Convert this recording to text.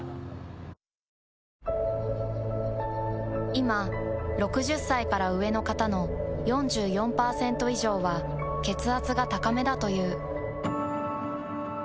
いま６０歳から上の方の４４％以上は血圧が高めだという。